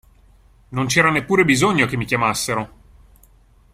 Non c'era neppur bisogno che mi chiamassero.